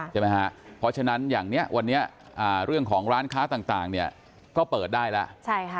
ใช่ไหมฮะเพราะฉะนั้นอย่างนี้วันนี้เรื่องของร้านค้าต่างเนี่ยก็เปิดได้แล้ว